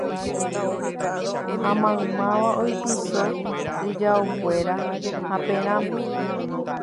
Ha maymáva oipyso ijaokuéra haperãme